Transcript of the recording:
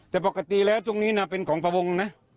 แต่ปกติแล้วตรงนี้นะเป็นของพระวงศ์นะ